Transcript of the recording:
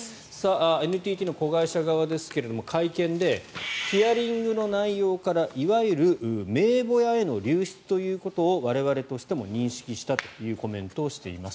ＮＴＴの子会社側ですが会見でヒアリングの内容からいわゆる名簿屋への流出ということを我々としても認識したというコメントをしています。